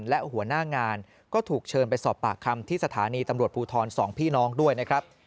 และหัวหน้างานก็ถูกเชิญไปสอบปากคำที่สถานีตำรวจภูทร๒พี่น้องด้วยนะครับ